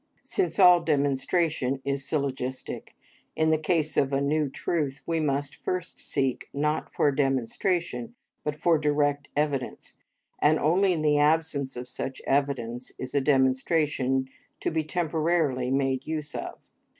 Since all demonstration is syllogistic, in the case of a new truth we must first seek, not for a demonstration, but for direct evidence, and only in the absence of such evidence is a demonstration to be temporarily made use of.